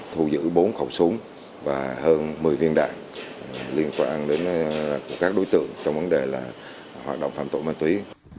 thu giữ bốn khẩu súng và hơn một mươi viên đạn liên quan đến của các đối tượng trong vấn đề hoạt động phạm tội ma túy